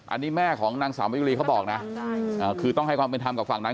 อันนี้แม่ของนางสาวมะยุรีเขาบอกนะคือต้องให้ความเป็นธรรมกับฝั่งนั้น